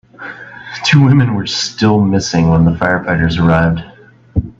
Two women were still missing when the firefighters arrived.